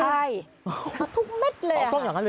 ใช่มาทุกเม็ดเลย